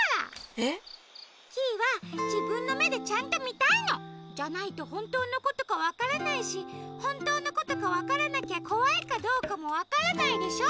えっ？キイはじぶんのめでちゃんとみたいの！じゃないとほんとうのことかわからないしほんとうのことかわからなきゃこわいかどうかもわからないでしょ。